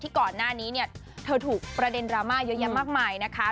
ที่ก่อนหน้านี้เธอถูกประเด็นดราม่าเยอะมากมายนะคะ